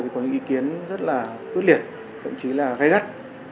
có những ý kiến rất là ướt liệt thậm chí là gây gắt